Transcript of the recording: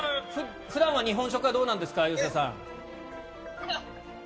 普段は日本食はどうなんですか？